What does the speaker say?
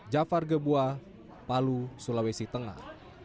jafar gebua palu sulawesi tengah